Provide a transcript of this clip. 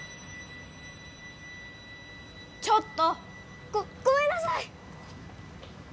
ちょっと！ごごめんなさい！